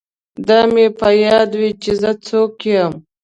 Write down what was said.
دا مې په یاد وي چې زه څوک یم